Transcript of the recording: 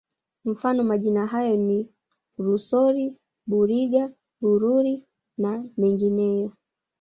Mfano majina hayo ni Rusori Buringa Bururi na mengineyo